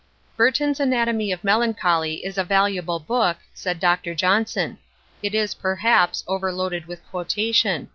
BURTON'S ANATOMY OF MELANCHOLY is a valuable book, said Dr. Johnson. It is, perhaps, overloaded with quotation.